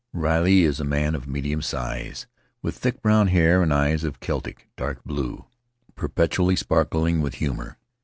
Riley is a man of medium size, with thick brown hair and eyes of Celtic dark blue, perpetually sparkling with humor.